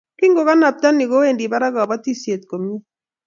Ngokekanabta ni kowendi barak kobotisiet komie